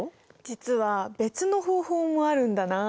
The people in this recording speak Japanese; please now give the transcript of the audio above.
実は別の方法もあるんだな。